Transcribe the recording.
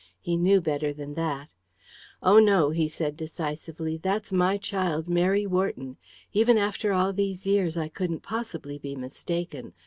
He knew better than that. "Oh no," he said decisively: "that's my child, Mary Wharton. Even after all these years, I couldn't possibly be mistaken.